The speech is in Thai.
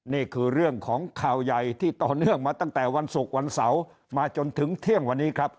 นี่คือเรื่องของข่าวใหญ่ที่ต่อเนื่องมาตั้งแต่วันศุกร์วันเสาร์มาจนถึงเที่ยงวันนี้ครับ